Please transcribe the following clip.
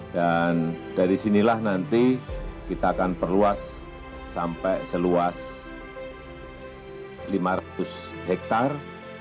dan dari sinilah nanti kita akan perluas sampai seluas lima ratus hektare